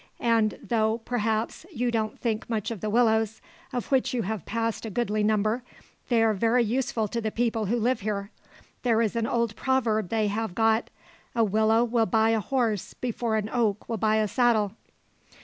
And though, perhaps, you don't think much of the willows, of which you have passed a goodly number, they're very useful to the people who live here. There is an old proverb they have got `A willow will buy a horse before an oak will buy a saddle.'"